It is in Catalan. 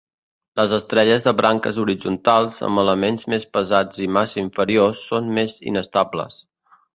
Les estrelles de branques horitzontals, amb elements més pesats i massa inferior, són més inestables.